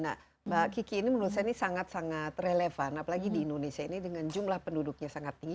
nah mbak kiki ini menurut saya ini sangat sangat relevan apalagi di indonesia ini dengan jumlah penduduknya sangat tinggi